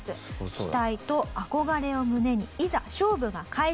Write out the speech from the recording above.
期待と憧れを胸にいざ勝負が開始！